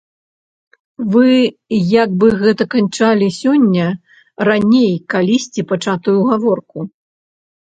Вы як бы гэта канчалі сёння раней калісьці пачатую гаворку?